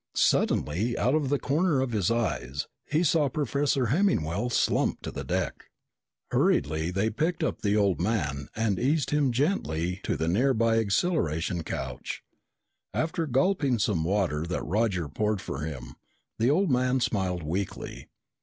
Suddenly, out of the corner of his eyes, he saw Professor Hemmingwell slump to the deck. Hurriedly they picked up the old man and eased him gently to the nearby acceleration couch. After gulping some water that Roger poured for him, the old man smiled weakly.